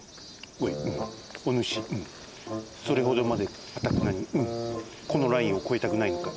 おいおぬしそれほどまでかたくなにこのラインをこえたくないのか？